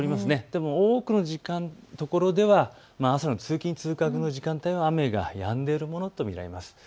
でも多くの所では朝の通勤通学の時間帯は雨がやんでいるものと見られます。